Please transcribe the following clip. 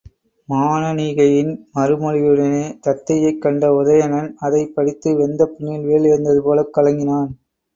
மானணிகையின் மறுமொழியுடனே தத்தையைக் கண்ட உதயணன், அதைப் படித்து வெந்த புண்ணில் வேல் எறிந்தது போலக் கலங்கினான்.